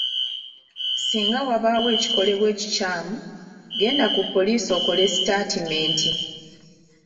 Singa wabaawo ekikolebwa ekikyamu, genda ku poliisi okole sitaatimenti.